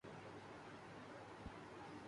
آزاد کشمیر کا الیکشن